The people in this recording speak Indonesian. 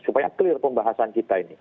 supaya clear pembahasan kita ini